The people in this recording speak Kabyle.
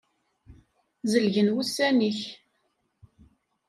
Zelgen wussan-ik.